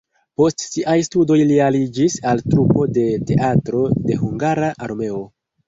Post siaj studoj li aliĝis al trupo de Teatro de Hungara Armeo.